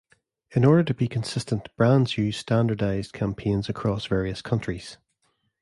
In order to be consistent brands use standardised campaigns across various countries.